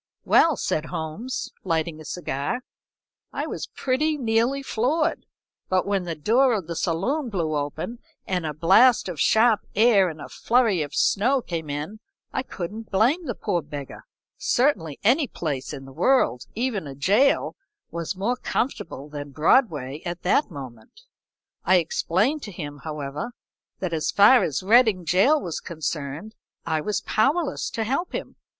"Well," said Holmes, lighting a cigar, "I was pretty nearly floored, but when the door of the saloon blew open and a blast of sharp air and a furry of snow came in, I couldn't blame the poor beggar certainly any place in the world, even a jail, was more comfortable than Broadway at that moment. I explained to him, however, that as far as Reading gaol was concerned, I was powerless to help him.